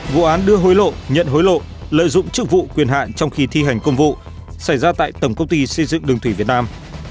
vụ án đưa hối lộ nhận hối lộ lợi dụng chức vụ quyền hạn trong khi thi hành công vụ xảy ra tại tổng công ty xây dựng đường thủy việt nam